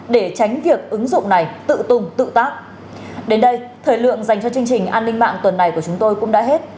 đến đây thời lượng dành cho chương trình an ninh mạng tuần này của chúng tôi cũng đã hết